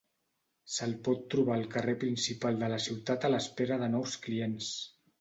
Se'l pot trobar al carrer principal de la ciutat a l'espera de nous clients.